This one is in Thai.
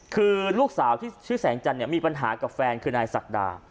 คือลูกสาวที่ชื่อแสงจันทร์มีปัญหากับแฟนคือนายศักดา